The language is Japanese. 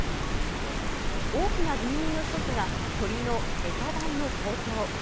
大きな原因の一つが、鶏の餌代の高騰。